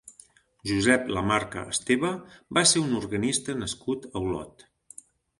Josep Lamarca Esteva va ser un organista nascut a Olot.